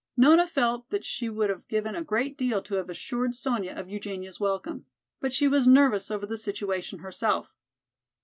Nona felt that she would have given a great deal to have assured Sonya of Eugenia's welcome, but she was nervous over the situation herself.